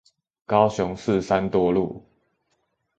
高雄市三多路